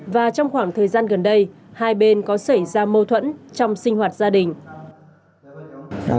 và trong khoảng thời gian gần đây hai bên có xảy ra mâu thuẫn trong sinh hoạt gia đình